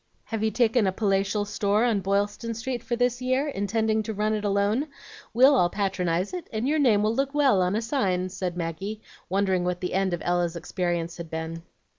Have you taken a palatial store on Boylston Street for this year, intending to run it alone? We'll all patronize it, and your name will look well on a sign," said Maggie, wondering what the end of Ella's experience had been.